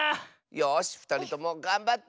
よしふたりともがんばって！